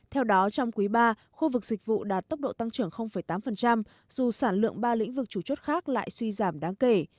theo đó trong quý ba khu vực dịch vụ đạt tốc độ tăng trưởng tám dù sản lượng ba lĩnh vực chủ chốt khác lại suy giảm đáng kể